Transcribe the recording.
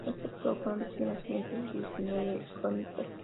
A este prólogo le siguen las siguientes diecinueve crónicas.